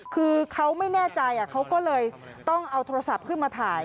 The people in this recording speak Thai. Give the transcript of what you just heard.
คือเขาไม่แน่ใจเขาก็เลยต้องเอาโทรศัพท์ขึ้นมาถ่าย